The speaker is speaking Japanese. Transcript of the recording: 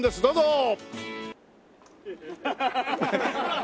どうぞ！